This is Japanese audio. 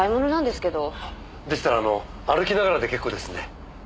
でしたら歩きながらで結構ですんで。